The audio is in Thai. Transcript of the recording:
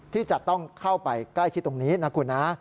ที่จะต้องเข้าไปใกล้ชิดตรงนี้นะคุณนะ